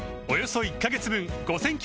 およそ１カ月分